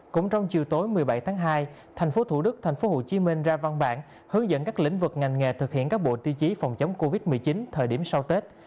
cũng trong chiều tối một mươi bảy tháng hai thành phố thủ đức thành phố hồ chí minh ra văn bản hướng dẫn các lĩnh vực ngành nghề thực hiện các bộ tiêu chí phòng chống covid một mươi chín thời điểm sau tết